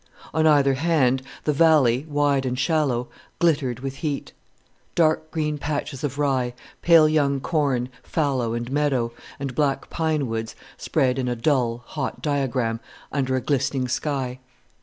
On either hand, the valley, wide and shallow, glittered with heat; dark green patches of rye, pale young corn, fallow and meadow and black pine woods spread in a dull, hot diagram under a glistening sky.